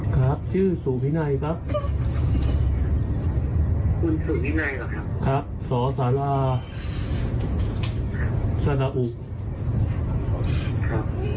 ครับชื่อสู่วินัยครับคุณสุวินัยเหรอครับครับสสระอุครับ